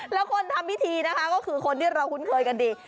แล้วคนทำพิธีนะคะก็คือคนที่เราคุ้นเคยกันดี